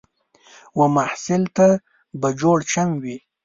و محصل ته به جوړ چم وي